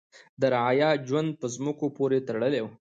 د رعایا ژوند په ځمکو پورې تړلی و.